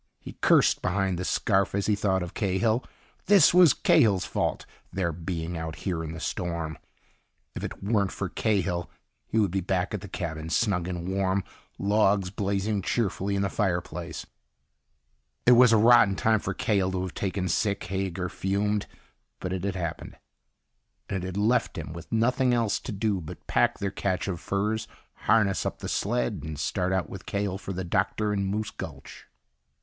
He cursed behind the scarf as he thought of Cahill. This was Cahill's fault, their being out here in the storm. If it weren't for Cahill, he would be back at the cabin, snug and warm, logs blazing cheerfully in the fireplace. It was a rotten time for Cahill to have taken sick, Hager fumed. But it had happened. And it had left him with nothing else to do but pack their catch of furs, harness up the sled, and start out with Cahill for the doctor in Moose Gulch.